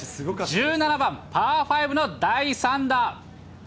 １７番パー５の第３打。